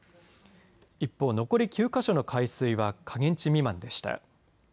一方、残り９か所の海水は下限値未満でした。